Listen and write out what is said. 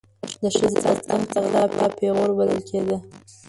د ښځې له څنګه غلا پیغور بلل کېده.